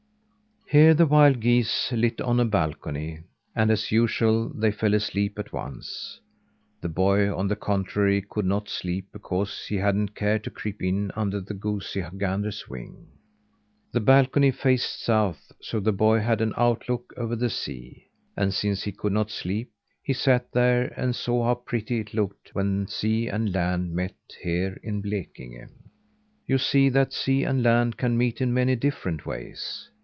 Here the wild geese lit on a balcony, and, as usual, they fell asleep at once. The boy, on the contrary, could not sleep because he hadn't cared to creep in under the goosey gander's wing. The balcony faced south, so the boy had an outlook over the sea. And since he could not sleep, he sat there and saw how pretty it looked when sea and land meet, here in Blekinge. You see that sea and land can meet in many different ways.